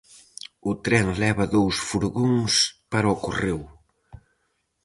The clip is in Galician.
O tren leva dous furgóns para o correo.